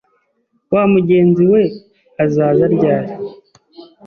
wa mugenzi we azaza ryari.”